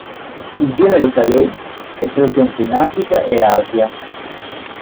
Il genere "Calais" è presente in Africa e Asia.